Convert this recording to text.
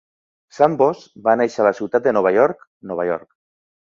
Sandvoss va néixer a la ciutat de Nova York, Nova York.